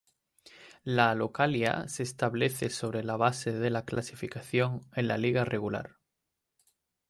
La localía se establece sobre la base de la clasificación en la liga regular.